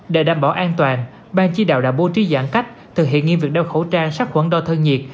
để đảm bảo an toàn ban chi đạo đã bố trí giãn cách thực hiện nghiêm việc đeo khẩu trang sắc quẩn đo thơ nhiệt